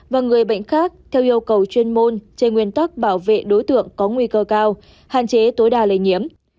và người bệnh khác theo yêu cầu chuyên môn trên nguyên tắc bảo vệ đối tượng có nguy cơ cao hạn chế tối đa lây nhiễm